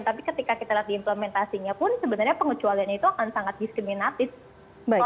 tapi ketika kita lihat di implementasinya pun sebenarnya pengecualiannya itu akan sangat diskriminatif